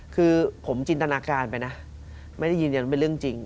คือผมจินตนาการไปนะไม่ได้ยืนยันว่าเป็นเรื่องจริง